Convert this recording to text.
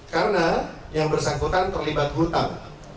karena yang bersangkutan terlibat hutang